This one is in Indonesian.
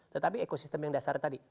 tetapi ekosistem yang dasar tadi